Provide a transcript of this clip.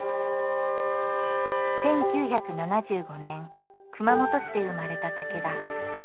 １９７５年熊本市で生まれた武田。